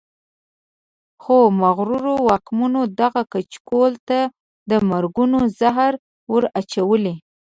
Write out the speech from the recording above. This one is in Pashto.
خو مغرورو واکمنو دغه کچکول ته د مرګونو زهر ور اچولي.